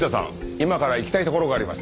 今から行きたいところがあります。